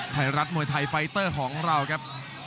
ไทยรัฐมวยไทยไฟเตอร์ของเราครับ